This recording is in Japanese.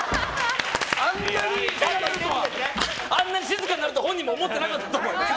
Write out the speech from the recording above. あんなに静かになるとは本人も思ってなかったと思います。